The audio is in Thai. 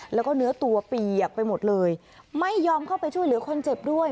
แล้วก็เนื้อตัวเปียกไปหมดเลยไม่ยอมเข้าไปช่วยเหลือคนเจ็บด้วย